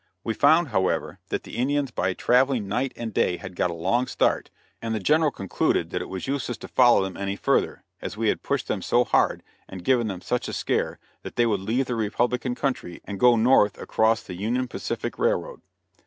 We found, however, that the Indians by traveling night and day had got a long start, and the General concluded that it was useless to follow them any further, as we had pushed them so hard, and given them such a scare that they would leave the Republican country and go north across the Union Pacific railroad.